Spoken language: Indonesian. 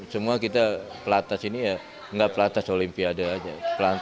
semua kita pelatas ini ya nggak pelatas olimpiade aja